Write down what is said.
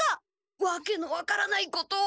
わけの分からないことを。